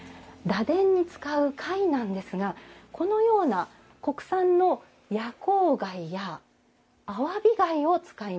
螺鈿に使う貝なんですがこのような国産の夜光貝やあわび貝を使います。